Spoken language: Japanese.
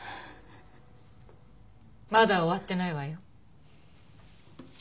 まだ終わってないわよ。